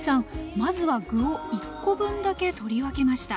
まずは具を１コ分だけ取り分けました。